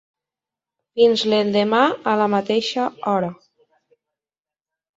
Fins l'endemà a la mateixa hora;